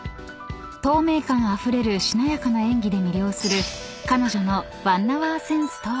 ［透明感あふれるしなやかな演技で魅了する彼女の］